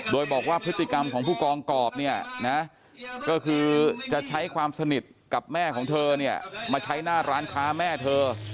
โดยบอกว่าพฤติกรรมของผู้กองกรอบเนี่ยนะก็คือจะใช้ความสนิทกับแม่ของเธอเนี่ยมาใช้หน้าร้านค้าแม่เธอ